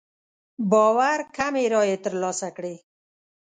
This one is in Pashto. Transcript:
باور کمې رايې تر لاسه کړې.